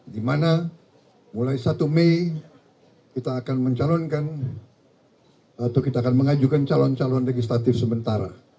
di mana mulai satu mei kita akan mencalonkan atau kita akan mengajukan calon calon legislatif sementara